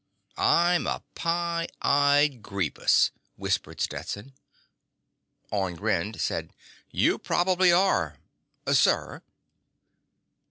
"I'm a pie eyed greepus," whispered Stetson. Orne grinned, said: "You probably are ... sir."